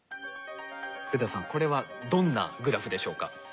福田さんこれはどんなグラフでしょうか？